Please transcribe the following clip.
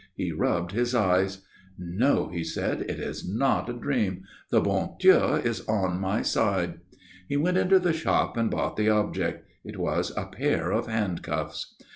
He rubbed his eyes. "No," said he; "it is not a dream. The bon Dieu is on my side." He went into the shop and bought the object. It was a pair of handcuffs.